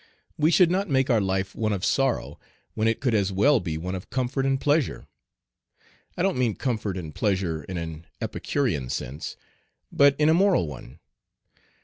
We should not make our life one of sorrow when it could as well be one of comfort and pleasure. I don't mean comfort and pleasure in an epicurean sense, but in a moral one.